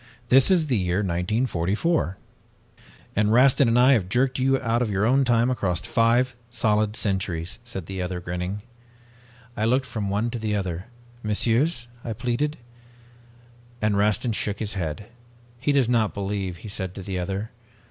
This is the year 1944.' "'And Rastin and I have jerked you out of your own time across five solid centuries,' said the other, grinning. "I looked from one to the other. 'Messieurs,' I pleaded, and Rastin shook his head. "'He does not believe,' he said to the other.